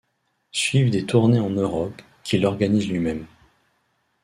Suivent des tournées en Europe, qu'il organise lui-même.